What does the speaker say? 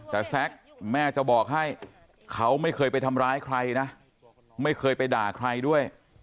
แต่แซ็กแม่จะบอกให้เขาไม่เคยไปทำร้ายใครนะไม่เคยไปด่าใครด้วย